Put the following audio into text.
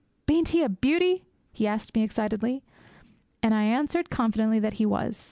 'Bean't he a beauty?' he asked me excitedly. And I answered confidently that he was.